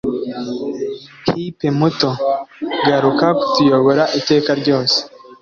hipe, muto, garuka kutuyobora iteka ryose